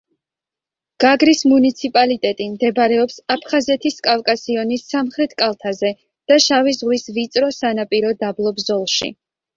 გაგრის მუნიციპალიტეტი მდებარეობს აფხაზეთის კავკასიონის სამხრეთ კალთაზე და შავი ზღვის ვიწრო სანაპირო დაბლობ ზოლში.